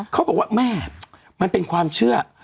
เขาบอกว่าแม่มันเป็นความเชื่อ